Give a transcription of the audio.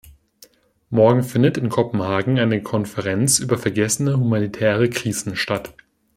Morgen findet in Kopenhagen eine Konferenz über vergessene humanitäre Krisen statt.